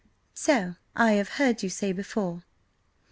"So I have heard you say before.